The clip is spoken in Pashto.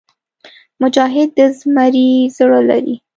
مجاهد د زمري زړه لري.